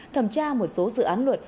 thẩm tra một số dự án luật